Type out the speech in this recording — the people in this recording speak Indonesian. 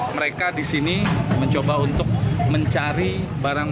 mereka disini mencoba untuk mencari barang